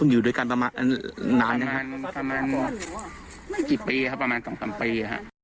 อยู่ด้วยกันประมาณนานนะคะประมาณกี่ปีประมาณ๒๓ปี